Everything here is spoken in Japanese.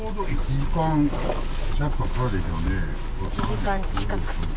１時間近く。